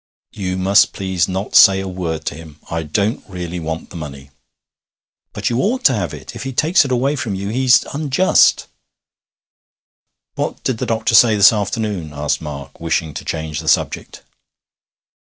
'You must please not say a word to him. I don't really want the money.' 'But you ought to have it. If he takes it away from you he's unjust.' 'What did the doctor say this afternoon?' asked Mark, wishing to change the subject.